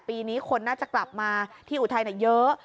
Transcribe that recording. ปีนี้คนน่าจะกลับมาที่อุทัยเยอะ